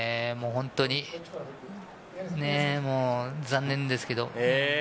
本当に残念ですが。